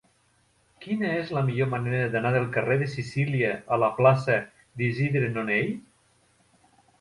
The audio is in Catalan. Quina és la millor manera d'anar del carrer de Sicília a la plaça d'Isidre Nonell?